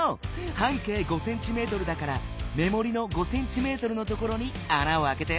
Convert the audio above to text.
半径５ｃｍだからめもりの５ｃｍのところにあなをあけて。